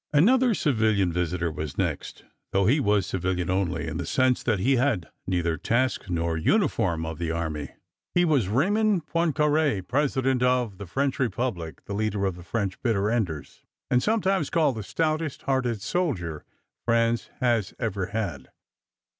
Another civilian visitor was next, though he was civilian only in the sense that he had neither task nor uniform of the army. He was Raymond Poincaré, President of the French Republic, the leader of the French "bitter enders," and sometimes called the stoutest hearted soldier France has ever had.